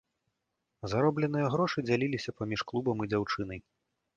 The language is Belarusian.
Заробленыя грошы дзяліліся паміж клубам і дзяўчынай.